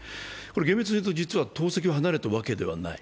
厳密にいうと党籍を離れたわけではない。